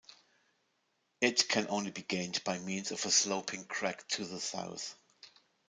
It can only be gained by means of a sloping crack to the south.